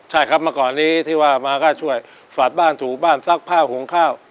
ใช่ครับเมื่อก่อนนี้ที่ว่ามาก็ช่วยฝาดบ้านถูบ้านซักผ้าหุงข้าว